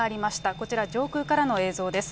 こちら、上空からの映像です。